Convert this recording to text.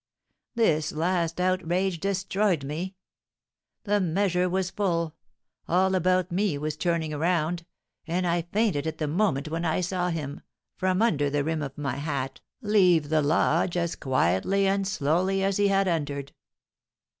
This last outrage destroyed me; the measure was full, all about me was turning around, and I fainted at the moment when I saw him, from under the rim of my hat, leave the lodge as quietly and slowly as he had entered."